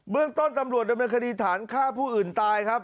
เรื่องต้นตำรวจดำเนินคดีฐานฆ่าผู้อื่นตายครับ